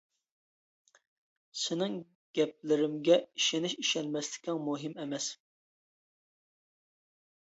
سېنىڭ گەپلىرىمگە ئىشىنىش ئىشەنمەسلىكىڭ مۇھىم ئەمەس.